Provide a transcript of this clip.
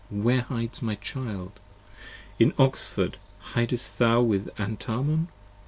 Where hides my child? in Oxford hidest thou with Antamon?